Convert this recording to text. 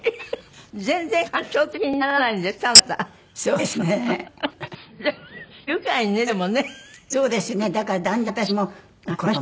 全然感傷的にならないんですって？